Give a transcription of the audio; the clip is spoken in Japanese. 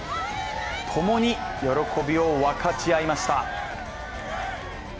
共に喜びを分かち合いました。